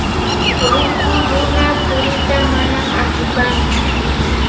ruku runa purita manam atipanchu.